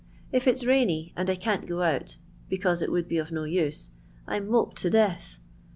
" If it 's rainy, and I can't go mt, because it would be of no use, I 'm moped to death.